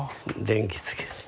電気つけて。